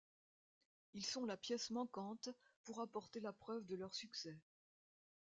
Ils sont la pièce manquante pour apporter la preuve de leur succès.